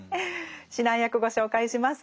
指南役ご紹介します。